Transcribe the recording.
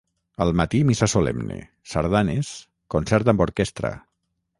Al matí missa solemne, sardanes, concert amb orquestra.